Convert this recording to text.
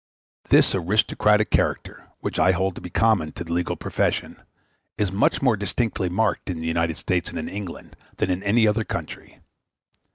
This aristocratic character, which I hold to be common to the legal profession, is much more distinctly marked in the United States and in England than in any other country.